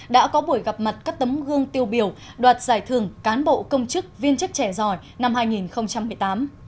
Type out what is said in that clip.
đã có buổi gặp mặt các tấm gương tiêu biểu đoạt giải thưởng cán bộ công chức viên chức trẻ giỏi năm hai nghìn một mươi tám